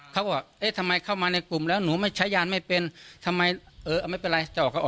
เขาก็ทำไมเข้ามาในกลุ่มแล้วหนูไม่ใช้ยานไม่เป็นทำไมเออไม่เป็นไรจะ